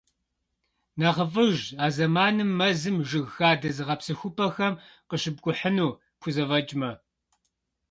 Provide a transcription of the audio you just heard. НэхъыфӀыжщ а зэманым мэзым, жыг хадэ зыгъэпсэхупӀэхэм къыщыпкӀухьыну пхузэфӀэкӀмэ.